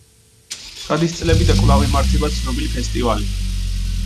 გადის წლები და კვლავ იმართება ცნობილი ფესტივალი.